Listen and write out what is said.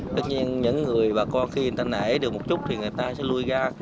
tất nhiên những người bà con khi người ta nể được một chút thì người ta sẽ lôi ra